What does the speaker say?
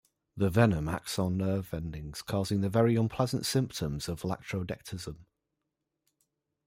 The venom acts on nerve endings causing the very unpleasant symptoms of latrodectism.